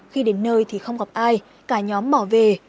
khi đến nơi thì không gặp ai cả nhóm bỏ về